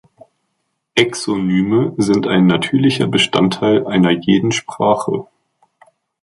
Exonyme sind ein natürlicher Bestandteil einer jeden Sprache.